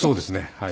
はい。